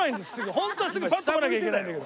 ホントはすぐパッと来なきゃいけないんだけど。